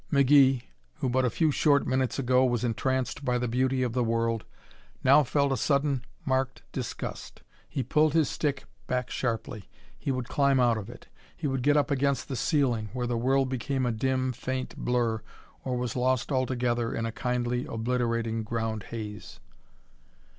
McGee, who but a few short minutes ago was entranced by the beauty of the world, now felt a sudden, marked disgust. He pulled his stick back sharply. He would climb out of it! He would get up against the ceiling, where the world became a dim, faint blur or was lost altogether in a kindly obliterating ground haze.